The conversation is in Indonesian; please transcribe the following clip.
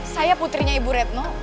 saya putrinya ibu retno